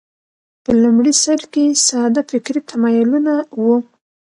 په لومړي سر کې ساده فکري تمایلونه وو